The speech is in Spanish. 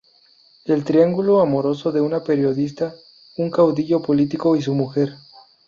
El triángulo amoroso de un periodista, un caudillo político y su mujer.